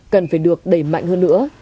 cần phải được đẩy mạnh hơn nữa